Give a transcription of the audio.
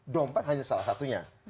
dompet hanya salah satunya